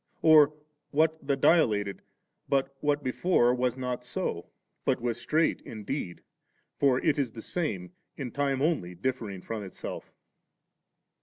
or what the dilated, but what before was not so, but was strait indeed; for it is the same, in time only differing from itself.